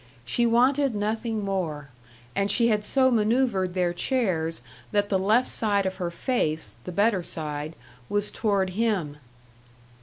She wanted nothing more.... And she had so manoeuvered their chairs that the left side of her face, the better side, was toward him!